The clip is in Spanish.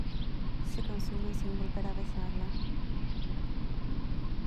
se consumen sin volver a besarla.